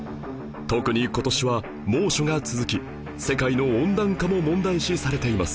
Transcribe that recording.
特に今年は猛暑が続き世界の温暖化も問題視されています